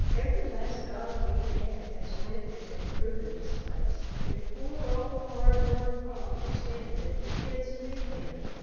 Every last dollar we had has went into improvin' this place. If pore old hard worked pa can stand it, the kids and me can.